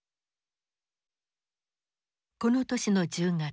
この年の１０月。